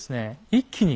一気に。